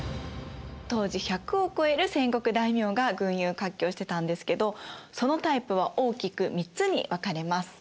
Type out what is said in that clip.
当時１００を超える戦国大名が群雄割拠してたんですけどそのタイプは大きく３つに分かれます。